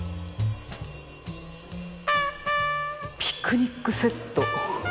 ピクニックセット。